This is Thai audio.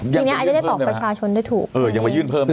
ทีนี้ไอได้ปลอกประชาชนได้ถูก